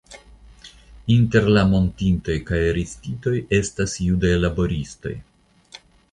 Inter la mortintoj kaj arestitoj estas judaj laboristoj.